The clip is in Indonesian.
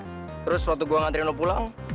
terus waktu gue ngantri lo pulang